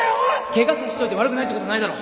ケガさしといて悪くないってことないだろ